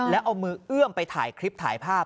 แล้วเอามือเอื้อมไปถ่ายคลิปถ่ายภาพ